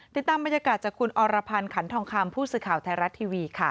ติดตามบรรยากาศจากคุณอรพรรณขันธองคามผู้ศึกาวไทยรัททีวีค่ะ